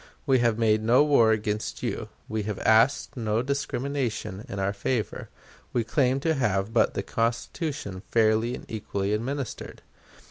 We have made no war against you. We have asked no discrimination in our favor. We claim to have but the Constitution fairly and equally administered.